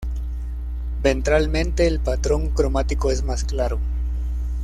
Ventralmente el patrón cromático es más claro.